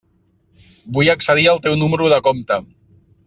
Vull accedir al teu número de compte.